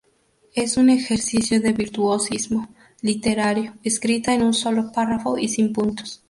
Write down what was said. Es un ejercicio de virtuosismo literario escrita en un solo párrafo y sin puntos.